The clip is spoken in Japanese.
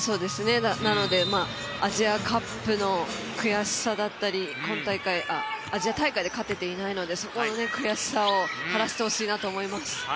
なのでアジアカップの悔しさだったりアジア大会で勝てていないのでそこの悔しさを晴らしてほしいなと思います。